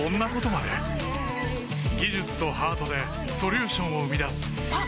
技術とハートでソリューションを生み出すあっ！